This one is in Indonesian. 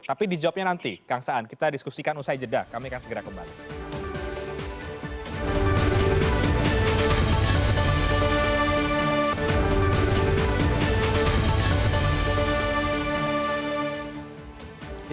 tapi dijawabnya nanti kang saan kita diskusikan usai jeda kami akan segera kembali